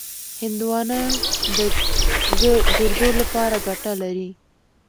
هندوانه د ګردو لپاره ګټه لري.